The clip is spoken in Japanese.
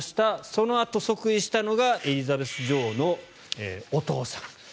そのあと即位したのがエリザベス女王のお父さん。